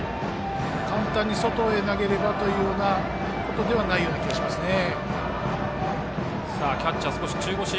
簡単に外へ投げればということではないような気がしますね。